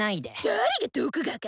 誰が毒牙か！